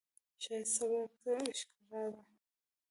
ښایست د صبر ښکلا ده